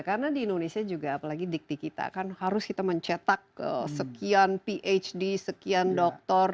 karena di indonesia juga apalagi dikti kita kan harus kita mencetak sekian phd sekian dokter